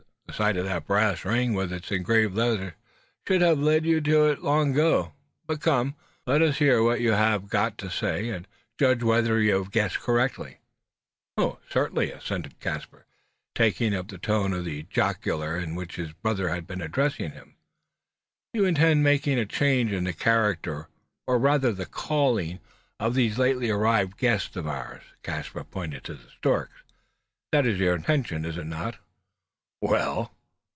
The sight of that brass ring, with its engraved letters, should have led you to it long ago. But come! let us hear what you have got to say, and judge whether you have guessed correctly." "Oh, certainly!" assented Caspar, taking up the tone of jocular badinage in which his brother had been addressing him. "You intend making a change in the character or rather the calling of these lately arrived guests of ours." Caspar pointed to the storks. "That is your intention, is it not?" "Well?"